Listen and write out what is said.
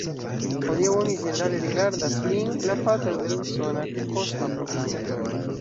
Hodiaŭ oni ĝenerale rigardas lin la patro de la usona kosma programo.